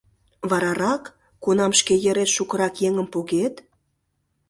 Варарак, кунам шке йырет шукырак еҥым погет...